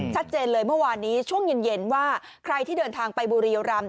ชัดเจนเลยเมื่อวานนี้ช่วงเย็นว่าใครที่เดินทางไปบุรีรำ